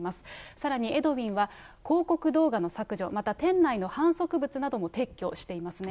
さらにエドウィンは、広告動画の削除、また店内の販促物なども撤去していますね。